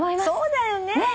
そうだよね。